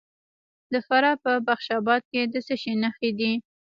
د فراه په بخش اباد کې د څه شي نښې دي؟